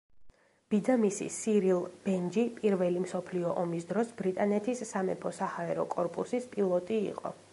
ბიძამისი სირილ ბენჯი პირველი მსოფლიო ომის დროს ბრიტანეთის სამეფო–საჰაერო კორპუსის პილოტი იყო.